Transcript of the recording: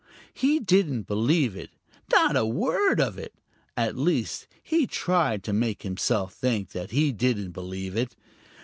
He didn't believe it, not a word of it. At least he tried to make himself think that he didn't believe it.